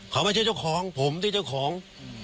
เขาไม่ใช่เจ้าของผมที่เจ้าของ